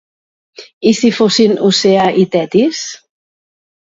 I si fossin Oceà i Tetis?